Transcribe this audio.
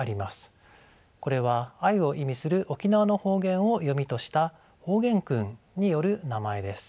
これは愛を意味する沖縄の方言を読みとした方言訓による名前です。